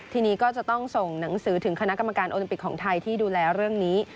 ทีนี้ก็จะต้องส่งหนังสือถึงคณะกรรมการโอลิมปิกของไทยที่ดูแลเรื่องนี้